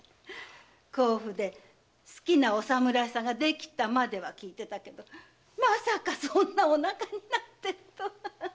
甲府で好きなお侍さんができたまでは聞いてたけどまさかそんなお腹になってるとは！